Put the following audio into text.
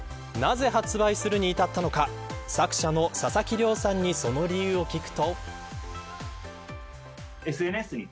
なぜ発売するに至ったのか作者の佐々木良さんにその理由を聞くと。